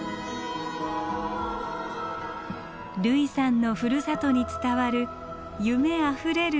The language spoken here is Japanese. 類さんのふるさとに伝わる夢あふれる歴史ロマンです。